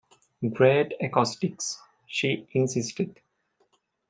"Great acoustics," she insisted.